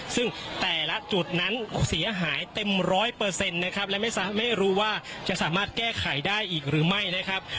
ซึ่งแต่ละจุดนั้นเสียหายเต็มร้อยเปอร์เซ็นต์นะครับและไม่รู้ว่าจะสามารถแก้ไขได้อีกหรือไม่นะครับ